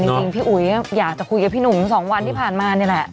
จริงพี่อุ๋ยอยากจะคุยกับพี่หนุ่ม๒วันที่ผ่านมานี่แหละ